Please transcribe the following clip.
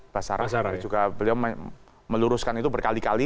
pak ahmad basarang juga beliau meluruskan itu berkali kali